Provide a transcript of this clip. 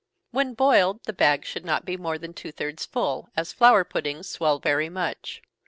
When boiled, the bag should not be more than two thirds full, as flour puddings swell very much.